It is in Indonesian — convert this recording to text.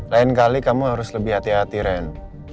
lain kali kamu harus lebih hati hati ren